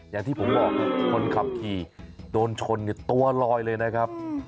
อย่างที่ผมบอกคนขับขี่โดนชนตัวลอยเลยนะครับ